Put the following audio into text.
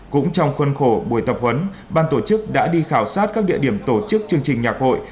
cũng trong khuôn khổ buổi tập huấn ban tổ chức đã đi khảo sát các địa điểm tổ chức chương trình nhạc hội